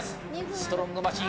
ストロングマシーン